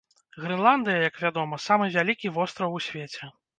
Грэнландыя, як вядома, самы вялікі востраў у свеце.